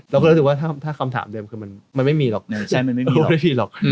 เรารู้สึกว่าถ้าคำถามเดิมคือมันไม่มีหรอกรวมพลิปหรอก